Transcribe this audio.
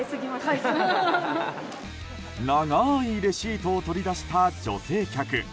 長いレシートを取り出した女性客。